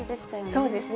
そうですね。